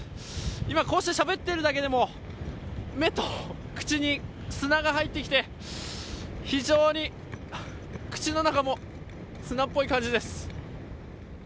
今こうしてしゃべっているだけでも目と口に砂が入ってきて、非常に口の中も砂っぽい感じです。